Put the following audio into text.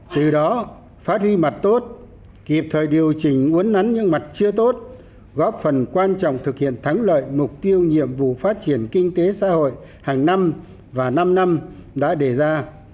từ đó phát huy mặt tốt kịp thời điều chỉnh uốn nắn những mặt chưa tốt góp phần quan trọng thực hiện thắng lợi mục tiêu nhiệm vụ phát triển kinh tế xã hội hàng năm và năm năm đã đề ra